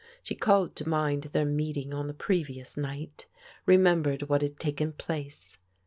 She called to mind their meeting on the pre vious night, remembered what had taken place.